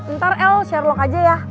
ntar el sherlock aja ya